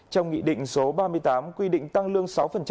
trong nghị định số ba mươi tám quy định tăng lương sáu